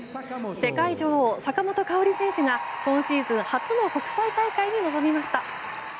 世界女王、坂本花織選手が今シーズン初の国際大会に臨みました。